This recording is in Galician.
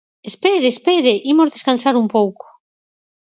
Espere, espere, imos descansar un pouco.